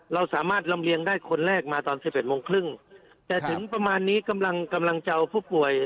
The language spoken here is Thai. เราสามารถลำเลียงได้คนแรกมาตอนสิบเอ็ดโมงครึ่งแต่ถึงประมาณนี้กำลังกำลังจะเอาผู้ป่วย